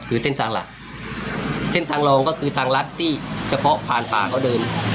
คือเส้นทางหลักเส้นทางรองก็คือทางรัฐที่เฉพาะผ่านป่าเขาเดิน